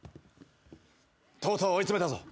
とうとう追い詰めたぞ。